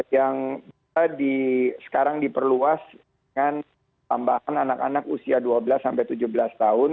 yang sekarang diperluas dengan tambahan anak anak usia dua belas sampai tujuh belas tahun